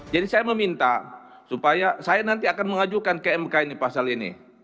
jadi saya meminta supaya saya nanti akan mengajukan kmk ini pasal ini